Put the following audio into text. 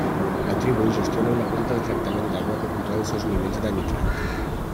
La tribu gestiona una planta de tractament d'aigua que controla els seus nivells de nitrat.